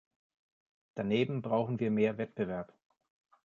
Daneben brauchen wir mehr Wettbewerb.